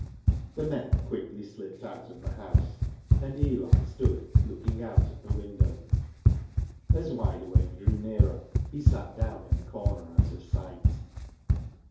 The men quickly slipped out of the house, and Eli stood looking out at the window. As Wide Awake drew nearer, he sat down in a corner out of sight.